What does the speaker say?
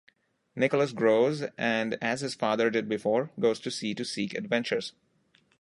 Nicholas grows, and as his father did before, goes to sea to seek adventures.